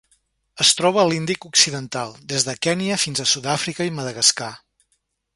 Es troba a l'Índic occidental: des de Kenya fins a Sud-àfrica i Madagascar.